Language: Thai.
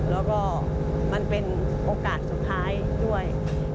แล้วก็มันเป็นโอกาสสุดท้ายด้วย